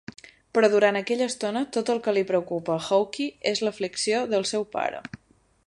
Però durant aquella estona, tot el que li preocupa a Hawkeye és l'aflicció del seu pare.